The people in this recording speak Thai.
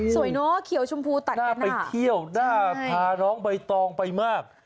เนอะเขียวชมพูตัดหน้าไปเที่ยวน่าพาน้องใบตองไปมาก